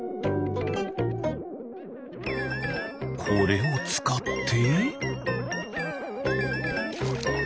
これをつかって。